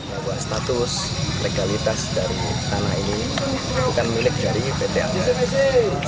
bahwa status legalitas dari tanah ini bukan milik dari pt asli